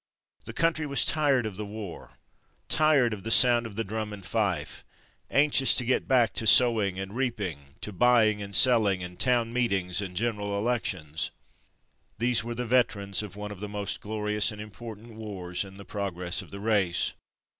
The country was tired of the war, tired of the sound of the drum and fife; anxious to get back to sowing and reaping, to buying and selling, and town meetings, and general elections." These were the veterans of one of the most glorious and important wars in the progress of the race.